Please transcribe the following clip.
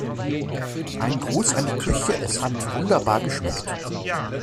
Einen Gruß an die Küche, es hat wunderbar geschmeckt.